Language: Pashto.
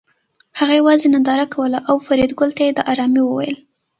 هغه یوازې ننداره کوله او فریدګل ته یې د ارامۍ وویل